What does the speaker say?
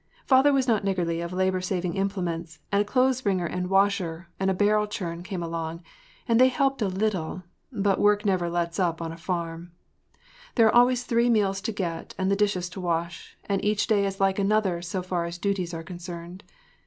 Father was not niggardly of labor saving implements, and a clotheswringer and washer and a barrel churn came along and they helped a little, but work never “lets up” on a farm. There are always three meals to get and the dishes to wash, and each day is like another so far as duties are concerned.